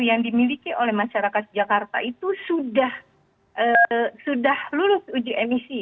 yang dimiliki oleh masyarakat jakarta itu sudah lulus uji emisi